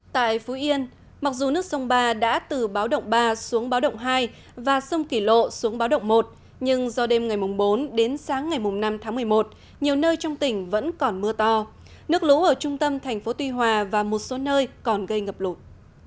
tại phú yên mặc dù nước sông ba đã từ báo động ba xuống báo động hai và sông kỷ lộ xuống báo động một nhưng do đêm ngày bốn đến sáng ngày năm tháng một mươi một nhiều nơi trong tỉnh vẫn còn mưa to nước lũ ở trung tâm thành phố tuy hòa và một số nơi còn gây ngập lụt